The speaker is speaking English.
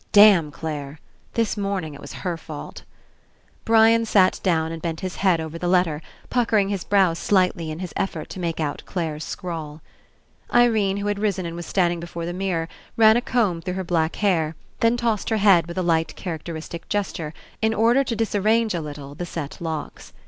Damn Clare ! This morning it was her fault. Brian sat down and bent his head over the letter, puckering his brows slightly in his effort to make out Clare's scrawl. Irene, who had risen and was standing before the mirror, ran a comb through her black hair, then tossed her head with a light characteristic gesture. In order to disarrange a little the set locks.